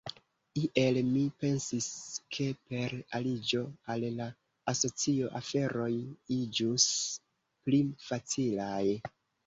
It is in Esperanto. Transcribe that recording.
Iel mi pensis ke per aliĝo al la asocio, aferoj iĝus pli facilaj.